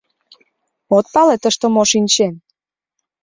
— От пале, тыште мо шинчен?